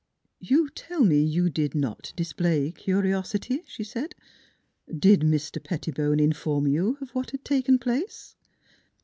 1 You tell me you did not dis play curiosity," she said. " Did Mis ter Pettibone in form you of what had taken place?